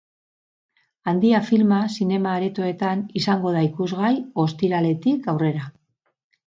Handia filma zinema aretoetan izango da ikusgai ostiraletik aurrera.